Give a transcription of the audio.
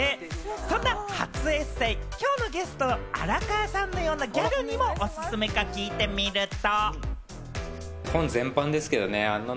そんな初エッセー、きょうのゲスト・荒川さんのようなギャルにも、おすすめか聞いてみると。